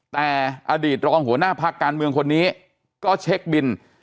แต่อดีตรองหัวหน้าพักการเมืองคนนี้ก็เช็คบิน